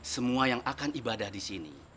semua yang akan ibadah di sini